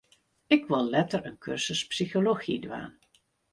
Ik wol letter in kursus psychology dwaan.